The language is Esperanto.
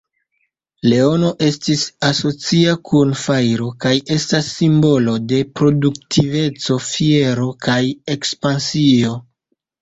Leono estis asocia kun fajro kaj estas simbolo de produktiveco, fiero, kaj ekspansio.